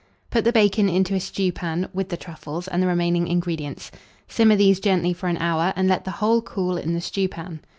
Put the bacon into a stewpan, with the truffles and the remaining ingredients; simmer these gently for an hour, and let the whole cool in the stewpan.